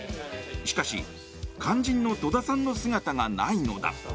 しかし、肝心の戸田さんの姿がないのだ。